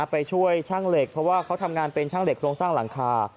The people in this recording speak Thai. ไปช่วยช่างเหล็กเพราะว่าเขาทำงานเป็นช่างเหล็งสร้างหลังคา